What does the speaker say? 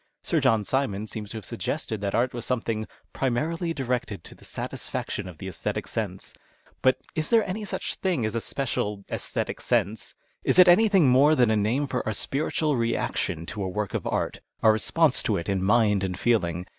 Sir John Simon seems to have suggested that art was something " primarily directed to the satisfaction of the oesthetic sense." IJut is there any such thing as a special " aesthetic sense "? Is it anything more than a name for our spiritual reaction to a work of 100 ACTING AS ART art, our response to it in mind and feeling